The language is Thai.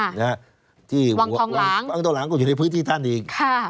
วังทองหลังวังทองหลังก็อยู่ในพื้นที่ท่านอีก